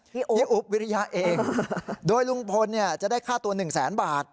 อุ๊บพี่อุ๊บวิริยะเองโดยลุงพลเนี่ยจะได้ค่าตัวหนึ่งแสนบาท